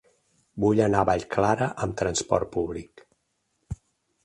Vull anar a Vallclara amb trasport públic.